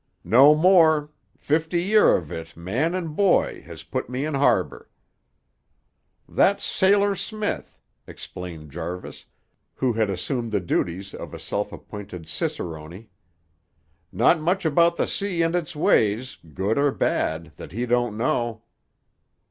"No more. Fifty year of it, man an' boy, has put me in harbor." "That's Sailor Smith," explained Jarvis, who had assumed the duties of a self appointed cicerone. "Not much about the sea and its ways, good or bad, that he don't know."